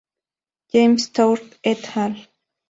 James Tour et al.